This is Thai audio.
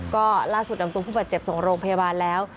ก็ล่าสุดนำตัวผู้บาดเจ็บส่งโรงพยาบาลแล้ว